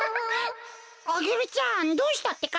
アゲルちゃんどうしたってか？